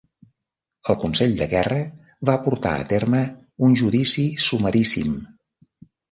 El Consell de Guerra va portar a terme un judici sumaríssim.